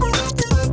wah keren banget